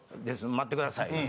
待ってください」って。